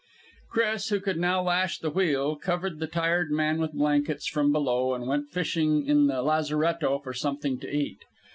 Chris, who could now lash the wheel, covered the tired man with blankets from below, and went fishing in the lazaretto for something to eat.